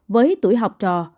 với tuổi học trò